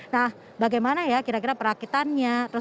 nah bagaimana ya kira kira perakitannya